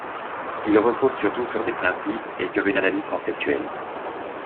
Il repose surtout sur des principes et sur une analyse conceptuelle.